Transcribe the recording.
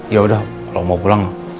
yaudah kalau mau pulang